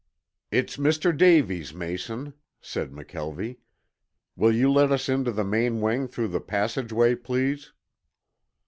"It's Mr. Davies, Mason," said McKelvie. "Will you let us in to the main wing through the passageway, please?"